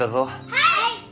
はい！